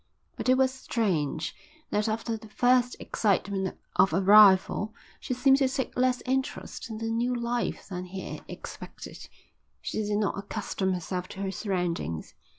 But it was strange that after the first excitement of arrival she seemed to take less interest in the new life than he had expected. She did not accustom herself to her surroundings.